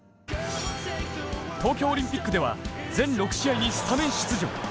東京オリンピックでは全６試合にスタメン出場。